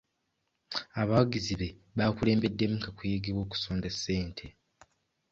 Abawagizi be bakulembeddemu kakuyege w'okusonda ssente.